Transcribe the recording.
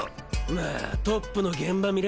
まァトップの現場見れ